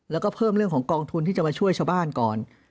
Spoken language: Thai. แล้วก็เพิ่มเรื่องของกองทุนที่จะมาช่วยชาวบ้านก่อน